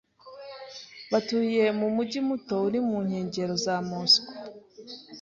Batuye mu mujyi muto uri mu nkengero za Moscou.